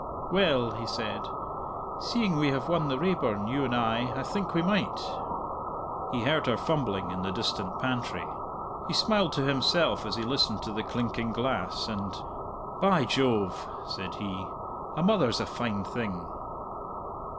"Well," he said, "seeing we have won the Raeburn, you and I, I think we might." He heard her fumbling in the distant pantry. He smiled to himself as he listened to the clinking glass, and, "By Jove," said he, "a mother's a fine thing!"